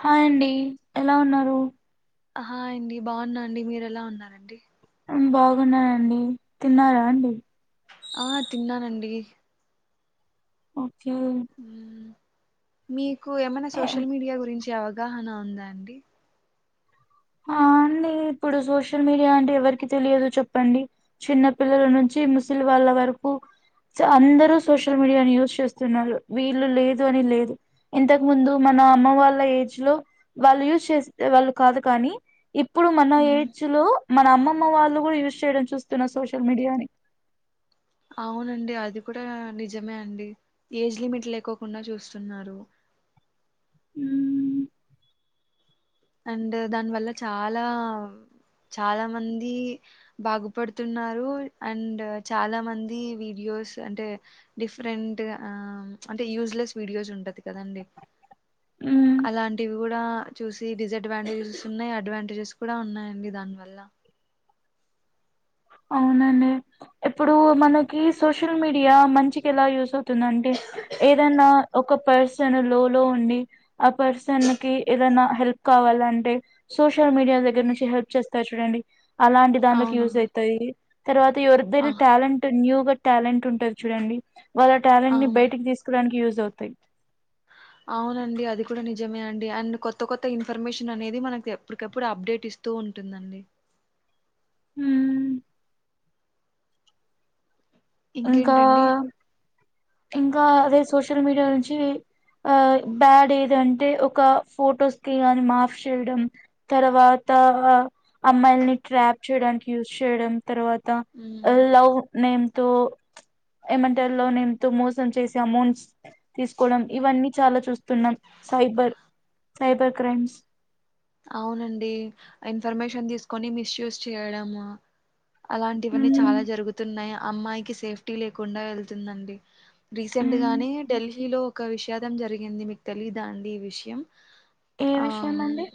Hi అండి ఎలా ఉన్నారు హాయ్ అండి బాగున్నా అండి మీరు ఎలా ఉన్నారండి బాగున్నానండి తిన్నారా అండి ఆ తిన్నానండి ఓ [unintelligible] మీ ఏమైనా సోషల్ మీడియా గురించి అవ అగాహణ ఉందా అండి ఆ అండి ఇప్పుడు సోషల్ మీడియా అంటే ఎవరికి తెలియదు చెప్పండి చిన్న పిల్లల నుంచి ముస్లిం వాళ్ళ వరకు అందరూ సోషల్ మీడియాని యూజ్ చేస్తున్నారు వీళ్ళు లేదు అని లేదు ఇంతకు ముందు మన అమ్మ వాళ్ళ ఏజ్ లో వాళ్ళు యూజ్ చేస్త వాళ్ళు కాదు కానీ ఇప్పుడు మన మ్మ్ ఏజ్ లో మన అమ్మమ్మ వాళ్ళు కూడా యూస్ చేయడం చూస్తున్నా సోషల్ మీడియాని అవునండి అది కూడా నిజమే అండి ఏజ్ లిమిట్ లేకోకుండా చూస్తున్నారు మ్మ్ అండ్ దాని వల్ల చాలా చాలా మంది బాగుపడుతున్నారు అండ్ చాలా మంది వీడియోస్ అంటే డిఫరెంట్ అంటే యూజ్లెస్ వీడియోస్ ఉంట కదండి మ్మ్ అలాంటివి కూడా చూసి డిస్అడ్వాంటేజెస్ ఉన్నాయి అడ్వాంటేజెస్ కూడా ఉన్నాయండి దాని వల్ల అవునండి ఇప్పుడు మనకి సోషల్ మీడియా మంచికి ఎలా యూస్ అవుతుందింటే ఏదైనా ఒక పర్సన్ లో లో ఉండి ఆ పర్సన్ కి ఏదైనా హెల్ప్ కావాలంటే సోష సోషల్ మీడియా దగ్గర నుంచి హెల్ చేస్తరు చూడండి అలాంటి దాని కి అవునా యూజ్ అయి [unintelligible] తర్వాత ఆ ఎవరిదైనా టాలెంట్ న్యూగా టాలెంట్ ఉంటది చూడండి వాళ్ళ టాలెంట్ ని అవును బయటి కి తీసుకురానికి యూస్ అవుతయి అవునండి అది కూడా నిజమే అండి. అండ్ కొత్త కొత్త ఇన్ఫర్మేషన్ అనేది మనకి ఎప్పటికప్పుడు అప్డేట్ ఇస్తూ ఉంటుందండి. ఉమ్ ఇంకా ఇంకేంటండి ఇంకా, అదే సోషల్ మీడియా నుంచీ, ఆ బ్యాడ్ ఏదంటే ఒక ఫొటోస్కి కానీ మాఫ్ చేయడం, తర్వాతా అమ్మాయిల్ని ట్రాప్ చేయడానికి యూస్ చేయడం. తర్వాత ఉమ్, లవ్ నేమ్ తో ప్చ్ ఏమంటారు లవ్ నేమ్ తో మోసం చేసి అమౌంట్స్ తీసుకోవడం. ఇవన్నీ చాలా చూస్తున్నాం. Cyber cyber crimes. అవునండీ. ఇన్ఫర్మేషన్ తీసుకొని మిస్యూజ్ చేయడము. అలాంటివన్నీ ఉమ్, చాలా జరుగుతున్నాయ. అమ్మాయికి సేఫ్టీ లేకుండా వెళ్తుందండి. ఉమ్. రీసెంట్గానే డెల్లీలో ఒక విషాదం జరిగింది మీకు తెలీదా అండి ఈ విషయం. ఏ విషయం అండి.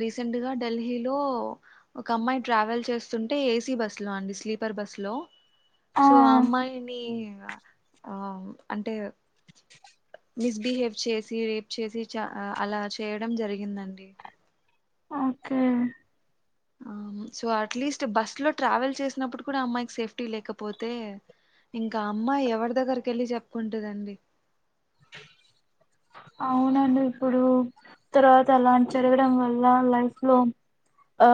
రీసెంట్ గా డెల్హీలో ఒక అమ్మాయి ట్రావెల్ చేస్తుంటే ఏసీ బస్సు లో అండి స్లీపర్ బస్సు లో ఆ సో అమ్మాయినీ ఆ అంటే మిస్బిహేవ్ చేసి రేప్ చేసి చ అలా చేయడం జరిగిందండి. Okay um so at least bus లో ట్రావెల్ చేసినప్పుడు కూడా అమ్మాయికి సేఫ్టీ లేకపోతే, ఇంకా అమ్మాయి ఎవడి దగ్గరికి వెళ్ళి చెప్పుకుంటదండి. అవునండి ఇప్పుడూ. తర్వాత అలాంటి జరగడం వల్ల లైఫ్ లో ఆ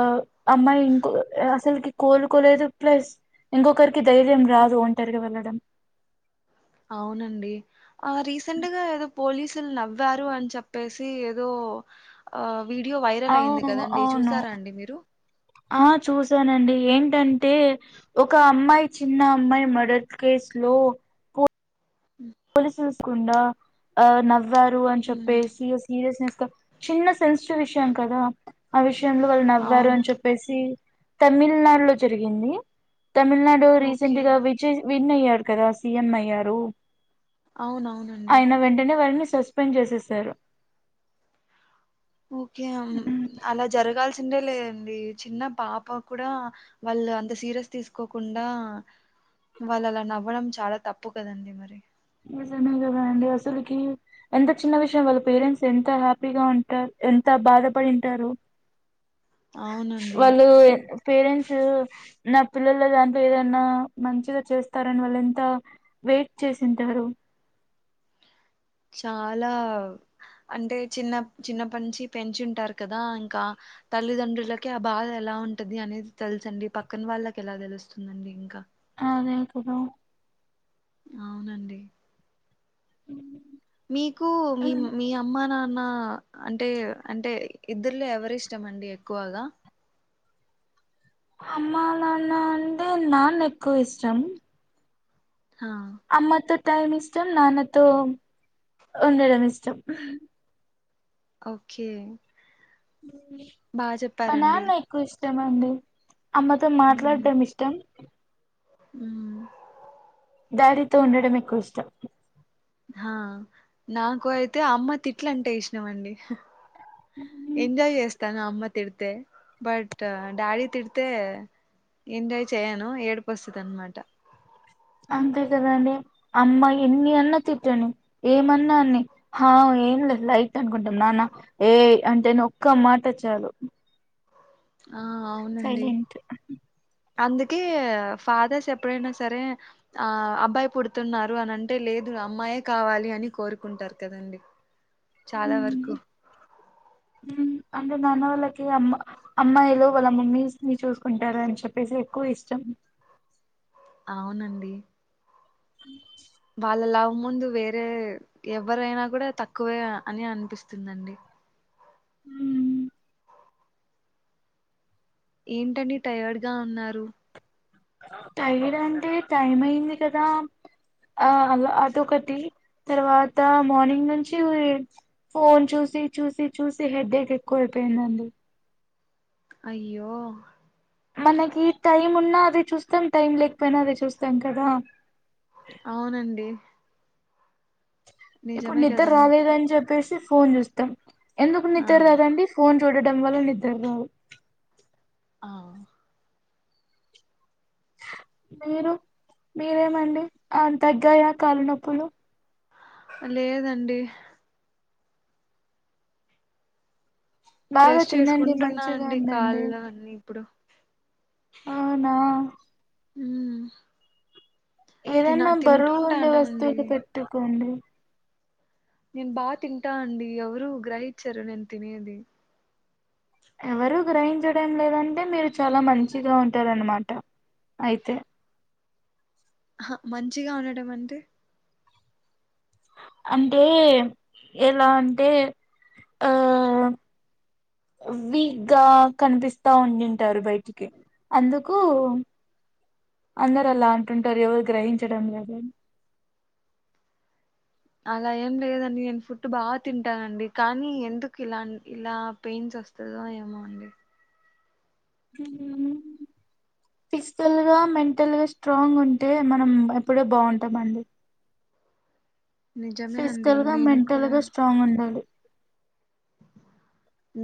అమ్మాయి ఇంకో అసలకి కోలుకోలేదు ప్లస్ ఇంకొకరికి ధైర్యం రాదు ఒంటరిగా వెళ్ళడం. అవునండి ఆ రీసెంట్ గా ఎదొ పోలీసులు నవ్వారు అని చెప్పేసీ ఏదో ఆ వీడియో వైరల్ అయింది అవును కదండి అవును చూసారా అండి మీరు ఆ చూసానండి ఏంటంటే ఒక అమ్మాయి చిన్న అమ్మాయి మర్డర్ కేసు లో పోలీస్ సూసుకుండా ఆ నవ్ వ్వారు అని మ్మ్. చెప్పేసి సీరియస్నెస్ చిన్న సెన్సిటివ్ విషయం కదా ఆ విష [inaudible] వాళ్ళు నవ్వారు అవును అని చెప్పేసి తమిళనాడు లో జరిగిందీ. తమిళనాడు ఓకే రీసెంట్ గా విజయ్ విన్ అయ్యారు కదా సీఎం అయ్యారు. అవునవునండి అయిన వెంటనే వాడిని సస్పెండ్ చేసేసారు. ఓకే అలా జరగాల్సి సిందే లేదండి. చిన్న పాప కూడా వాళ్ళు అంత సీరయస్ తీసుకోకుండా, వాళ్ళు అలా నవ్వడం చాలా తప్పు కదండి మరి. నిజమ కదా అండి అసలుకి ఎంత చిన్న విషయం వాళ్ళ పేరెంట్స్ ఎంత హ్యాపీగా ఉంటారు ఎంత బాధపడింటారు అవునండి వాళ్ళు పేరెంట్స్ నా పిల్లల్లో దాంట్ ఏదనా మంచిగా చేస్తారని వాళ్ళు ఎంత వెయిట్ చేస్ టుంటారు చాలా అంటే చిన్న చిన్నప్పటించి పెంచుంటారు కదా ఇంకా తల్లిదండ్రులకె ఆ బాధ ఎలా ఉంటది అనేది తెలుసండి పక్కన వాళ్ళకి ఎలా తెలుస్తుందండి ఇంకా అ అదే కుద అవునండి ఉ మీకు మీ మీ అమ్మ నాన్న న్నా అంటే అంటే ఇద్దరులో ఎవరి ఇష్టం అండి ఎక్కువగా అమ్మ అలాన్న అంటే నాన్న ఎక్కువ ఇష్టం హ అమ్మతో టైం ఇష్టం నాన్నతో ఉండడం ఇష్టం ఓకే బాగా మా చెప్పారండి నాన్న ఎక్కువ ఇస్ట్ నిజమండి అమ్మతో మాట్లాడటం ఇష్టం అ దాడి తో ఉండడం ఎక్కువ ఇష్టం ఆ నాకు అయితే అమ్మ తిట్ల అంటే ఇష్టమండి ఎంజాయ్ చేస్తా తన అమ్మ తిడితే బట్ డాడీ తిడితే ఎంజాయ్ చేయను ఏడిప వస్తుది అనమాట అంతే కదండి అమ్మా ఎన్ని అన్నా తిట్టండి ఏమన్నాన్ని హ ఏం లేదు లైట్ అనుకుంటాం నాన్న ఏయ్ అంటే ఒక్క మాట చాలు ఆ అవునండి సైలెంట్ అందుకే ఫాదర్స్ ఎప్పుడైనా సరే ఆ అబ్బాయి పుడుతున్నారు అనింటే లేదు అమ్మాయే కావాలి అని కోరుకుంటారు కదండి చాలా వరకు అంటే నాన్న వాళ్ళకి అమ్ అమ్మాయిలు వాళ్ళ మమ్మీస్ ని చూసుకుంటారు అని చెప్పేసి ఎక్కువ ఇష్టం అవునండి అ వాళ్ళ లవ్ ముందు వేరే ఎవరైనా కూడా తక్కువే అని అనిపిస్తుందండి హ్మ్ ఏంటండి టయర్డ్ గా ఉన్నారు టైర్డ్ అంటే టైం అయింది కదా ఆ అ అదొకటి తర్వాత మార్నింగ్ నుంచి ఫోన్ చూసి చూసి చూసి హెడ్ఏక్ ఎక్కువ అయిపోయిందండి అయ్యో మనకి టైం ఉన్నా అది చూస్తాం టైం లేకపోయినా అదే చూస్తాం కదా అవునండి ఇప్పుడు నిజమే నిద్ర కదండి రాలేదని చెప్పేసి ఫోన్ చూస్తాం ఎందుకు ని ఇ ఆ తరుదండి ఫోన్ చూడడం వల్ల నిద్ర రావు ఆ మీరు మీరేమండి అంతగ్గాయ కాళ్ళనొప్పులు లేదండి బాగా ప్రెస్ తినండి మంచిగా చేసుకుంటున్నానండి ఉండండి కాళ్ళ అన్ని ఇప్పుడు అవునా హ ఏదన్నా బరు ఉండే తింటుంటానండి వస్తువులు పెట్టుకోండి నేను బాగా తింటా అండి ఎవరు గ్రహిచ్చరు నేను తినేది ఎవరు గ్రహించడం లేదంటే మీరు చాలా మంచిగా ఉంటారన్నమాట అయితే మంచిగా ఉండడం అంటే అంటే ఎలా అంటే ఆ వీక్ గా కనిపిస్తా ఉండింటారు బయటికి అందుకు అందరు అలా మ్, అంటుంటారు ఎవరు గ్రహి డ కాద [unintelligible] అలా ఏం లేదండి నేను ఫుడ్డు బాగా తింటానండి కానీ ఎందుకు ఇలా ఇలా పెయిన్స్ వస్తుందో ఏమో అండి ఫిజికల్గా మెంటల్గా స్ట్రాంగ్ ఉంటే మనం ఎప్పుడూ బాగుంటామండి నిజమే అండి ఫిజికల్ గా నేను మెంటల్ కూడా గా స్ట్రాంగ్ ఉండాలి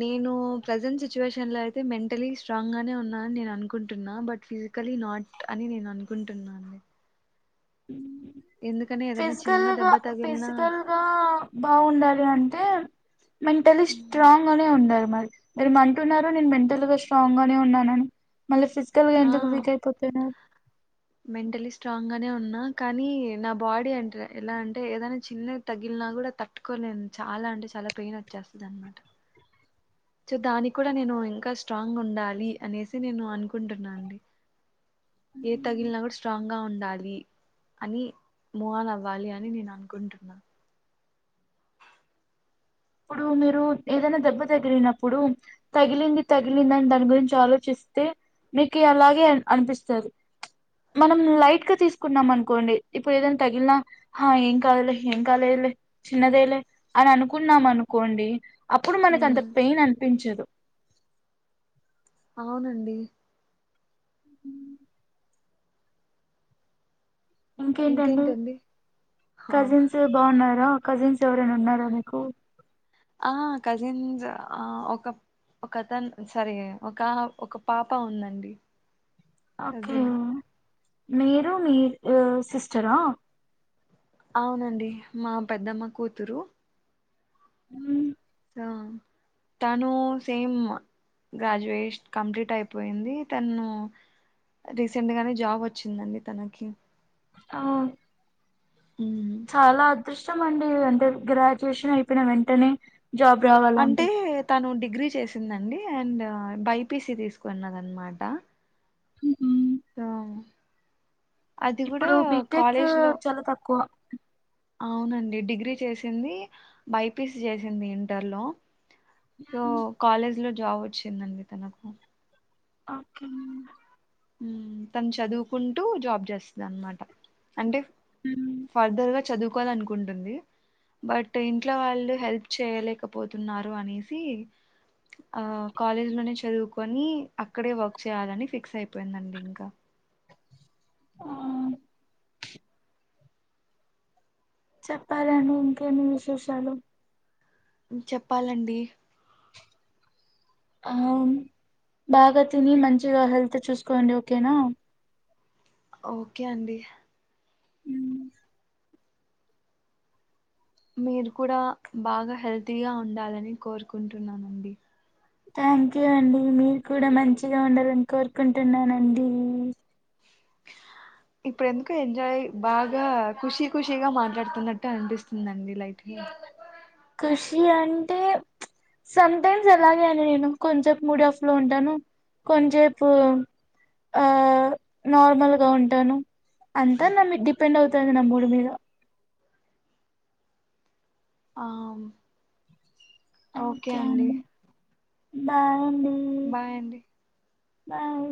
నేను ప్రజెంట్ సిచ్యువేషన్ లో అయితే మెంటలీ స్ట్రాంగ్ గానే ఉన్నాని నేను అనుకుంటున్నా బట్ ఫిజికలీ నాట్ అని నేను అనుకుంటున్నా అండి ఎందుకని ఏదైనా చిన్న ఫిజికల్గా దెబ్బ తగిలినా ఫిజికల్గా బాగుండాలి అంటే మెంటలీ మ్, స్ట్రాంగ్ నే ఉండాలి మీరుమంటున్నారు నేను మెంటల్ గా స్ట్రాంగ్ గానే ఉన్నానుని మళ్ళీ ఫిజికల్ గా ఎందుకు ఆ వీక్ అయిపోతున్నారు మెంటలీ స్ట్రాంగ్ గానే ఉన్నా కానీ నా బాడీ అంటే ఎలా అంటే ఏదైనా చిన్నవి తగిలినా కూడా తట్టుకోలేను చాలా అంటే చాలా పెయిన్ వచ్చేస్తుంది అనమాట సో దానికి కూడా నేను ఇంకా స్ట్రాంగ్ ఉండాలి అనేసి నేను అనుకుంటున్నాండి ఏది తగిలినా కూడా స్ట్రాంగ్ గా ఉంది ాలి అని మోడల్ అవ్వాలి అని నేను అనుకుంటున్నా ఇప్పుడు మీరు ఏదైనా దెబ్బ తగిలినప్పుడు తగిలింది తగిలింది అని దాని గురించి ఆలోచిస్తే మీకు అలాగే అనిపిస్తుంది మనం లైట్ గా తీసుకున్నాం అనుకోండి ఇప్పుడు ఏదైనా తగిలినా ఏం కాలేలే ఏం కాలేదులే చిన్నదేలే అని అనుకు న్నాం అనుకోండి అప్పుడు మనకు అంత ఉమ్ పెయిన్ అనిపించదు అవునండి ఉ ఇంకేంటండి హా కజిన్స్ బాగున్నారా కజిన్స్ ఎవరైనా ఉన్నారా మీకు ఆ కజిన్స్ ఆ ఒక ఒక తన్ సారీ ఒక ఒక పాప ఉందండి ఓకే కజిన్ మీరు మీ సిస్టరా అవునండి మా పెద్దమ్మ కూతురు హ తను సేమ్ గ్రాడ్యుయేషన్ కంప్లీట్ అయిపోయింది తను రీసెంట్గానే జాబ్ వచ్చిందండి తనకి ఆ ఉమ్. చాలా అ అదృష్టం అండి అంటే గ్రాడ్యుయేషన్ అయిపోయిన వెంటనే జాబ్ అంటే రావాలంటే తను డిగ్రీ చేసిందండి అండ్ బైపీసి తీసుకున్నది అన్నమాట ఉహు. తో ఇప్పుడు బీటెక్ చాలా తక్కువ అవునండి డిగ్రీ చేసింది బైపీసి చేసింది ఇంటర్ లో సో కాలేజ్ లో జాబ్ వచ్చింది అండి తనకు ఓకే ఉమ్ తను చదువుకుంటూ జాబ్ చేస్తుంది అన్నమాట అంటే ఉమ్. ఫర్దర్ గా చదువు కోవలని కుంటుంది బట్ ఇంట్లో వాళ్ళు హెల్ప్ చేయలేకపోతున్నారు అనేసి ఆ కాలేజ్ లోనే చదువుకొని అక్కడే వర్క్ చేయాలని పిక్స్ అయిపోయింది అయిపోయిదండి ఇంకా ఆ చెప్పాలండి ఇంకెమి విశేషాలు చెప్పాలండి అవును బాగా తిని మంచిగా హెల్త్ అంత చూసుకోండి ఓకేనా ఓకే అండి ఉమ్ మీరు కూడా బాగా హెల్తీగా ఉండాలని కోరుకుంటున్నానండి థ్యాంక్ యూ అండి మీరు కూడా మంచిగా ఉండాలని కోరుకుంటున్నానండి ఇప్పుడు ఎందుకు ఎంజాయ్ బాగా ఖుషీ ఖుషిగా మాట్లాడుతున్నట్టు అనిపిస్తుందిండి లయిట్ ఖుషి అంటే సంటైమ్స్ ఎలాగే అండి నేను కొంసేపు మూడ్ ఆఫ్ లో ఉంటాను కొంచసేపు ఆ నార్మల్గా ఉంటాను అంతా నా డిపెండ్ అవుతుంది నా మూడ్ మీద ఆ ఓకే అండి బాయ్ అండి బాయ్ అండి బాయ్